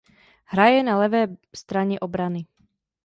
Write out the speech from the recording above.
Hraje na levé straně obrany.